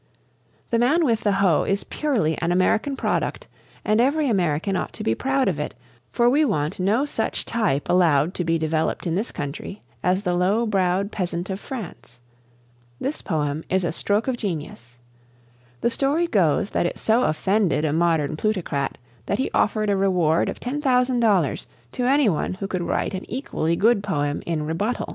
"The Man With the Hoe" is purely an American product, and every American ought to be proud of it, for we want no such type allowed to be developed in this country as the low browed peasant of France. This poem is a stroke of genius. The story goes that it so offended a modern plutocrat that he offered a reward of $10,000 to any one who could write an equally good poem in rebuttal.